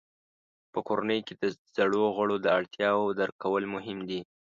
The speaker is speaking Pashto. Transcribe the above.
په کورنۍ کې د زړو غړو د اړتیاوو درک کول مهم دي.